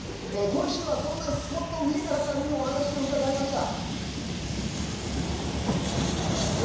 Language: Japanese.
今週は、そんなスコット・ウィーナーさんにお話を伺いました。